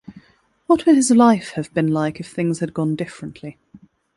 What would his life have been like if things had gone differently?